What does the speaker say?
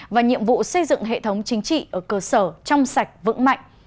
và nhiệm vụ xây dựng hệ thống chính trị ở cơ sở trong sạch vững mạnh